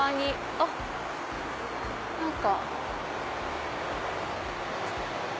あっ何か。